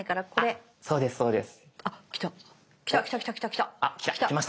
あっそうですそうです。